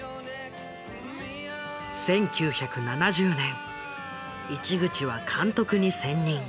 １９７０年市口は監督に専任。